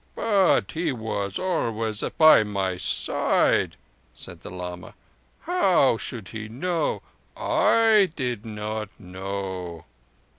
"But he was always by my side," said the lama. "How should he know? I did not know."